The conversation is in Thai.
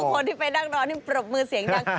คนที่ไปนั่งรอนี่ปรบมือเสียงดัง